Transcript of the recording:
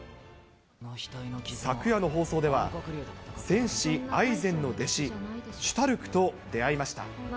昨夜の放送では、戦士アイゼンの弟子、シュタルクと出会いました。